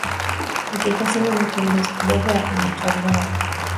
akikosana na kiongozi kidogo anatolewa